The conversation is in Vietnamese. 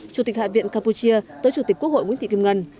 chủ tịch hạ viện campuchia tới chủ tịch quốc hội nguyễn thị kim ngân